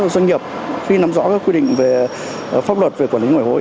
doanh nghiệp khi nắm rõ các quy định về pháp luật về quản lý ngoại hối